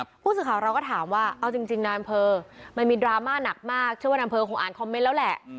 ผู้สื่อข่าวเราก็ถามว่าเอาจริงนายอำเภอมันมีดราม่าหนักมากเชื่อว่านายอำเภอคงอ่านคอมเมนต์แล้วแหละ